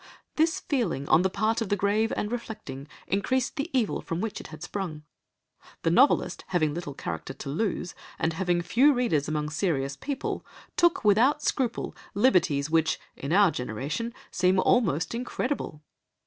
This feeling on the part of the grave and reflecting, increased the evil from which it had sprung. The novelist, having little character to lose, and having few readers among serious people, took, without scruple, liberties which, in our generation, seem almost incredible."